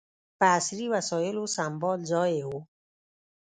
په عصري وسایلو سمبال ځای یې و.